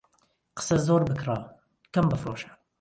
قسە زۆر بکڕە، کەم بفرۆشە.